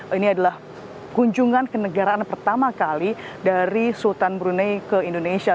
ini adalah kunjungan kenegaraan pertama kali dari sultan brunei ke indonesia